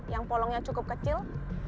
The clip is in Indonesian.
yang polongnya cukup kecil